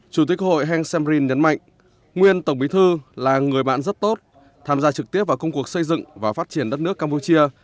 chủ tịch hội heng samrin nhấn mạnh nguyên tổng bí thư là người bạn rất tốt tham gia trực tiếp vào công cuộc xây dựng và phát triển đất nước campuchia